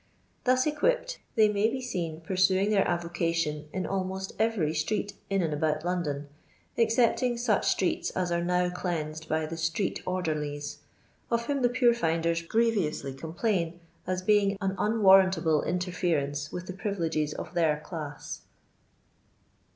Thus eqmpped they may be seen pursuing their avoca tion in idmott every street in and about London, excepting such streets as are now cleansed by the '^ street orderlieiy" of whom the pure finders srietonsly complain, as being an unwarrantable nrteffarenee with the privileges of their class.